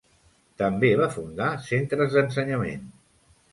També va fundar centres d'ensenyament.